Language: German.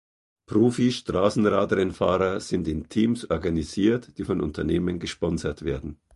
Profi-Straßenradrennfahrer sind in Teams organisiert, die von Unternehmen gesponsert werden.